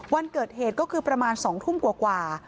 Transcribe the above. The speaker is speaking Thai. วันเกิดเหตุก็คือประมาณ๒ทุ่มกว่า